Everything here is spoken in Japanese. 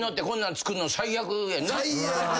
最悪。